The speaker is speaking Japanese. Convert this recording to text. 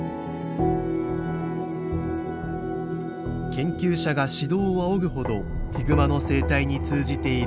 研究者が指導を仰ぐほどヒグマの生態に通じている藤本。